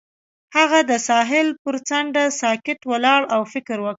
هغه د ساحل پر څنډه ساکت ولاړ او فکر وکړ.